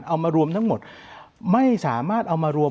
เอามารวมทั้งหมดไม่สามารถเอามารวม